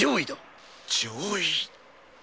上意！？